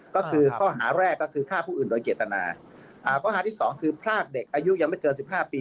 ก็คือข้อหาแรกก็คือฆ่าผู้อื่นโดยเจตนาอ่าข้อหาที่สองคือพรากเด็กอายุยังไม่เกินสิบห้าปี